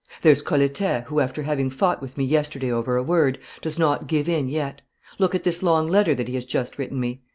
There's Colletet, who, after having fought with me yesterday over a word, does not give in yet; look at this long letter that he has just written me!"